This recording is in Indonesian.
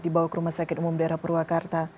dibawa ke rumah sakit umum daerah purwakarta